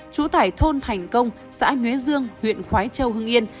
chủ tải thôn thành công xã nguyễn dương huyện khói châu hưng yên